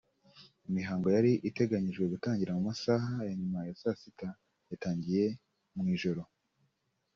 Imihango yari iteganyijwe gutangira mu masaha ya nyuma ya saa sita yatangiye mu ijoro